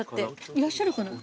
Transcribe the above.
いらっしゃるかな？